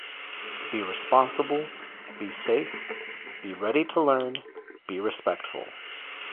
Be Responsible, Be Safe, Be Ready to Learn, Be Respectful.